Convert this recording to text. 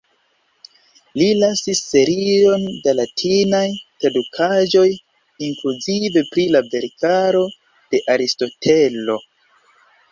Li lasis serion da latinaj tradukaĵoj, inkluzive pri la verkaro de Aristotelo.